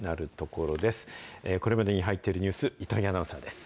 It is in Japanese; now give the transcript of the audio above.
これまでに入っているニュース、糸井アナウンサーです。